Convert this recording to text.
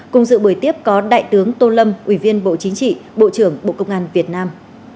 cùng dự buổi tiếp có đại tướng tô lâm ủy viên bộ chính trị bộ trưởng bộ công an việt nam